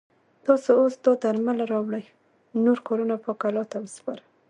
تاسو اوس دا درمل راوړئ نور کارونه پاک الله ته وسپاره.